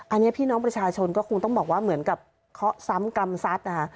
อันนี้พี่น้องประชาชนก็คงต้องบอกว่าเหมือนกับเคาะซ้ำกรรมสัตว์นะคะ